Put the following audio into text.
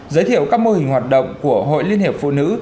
giới thiệu các mô hình hoạt động của hội liên hiệp phụ nữ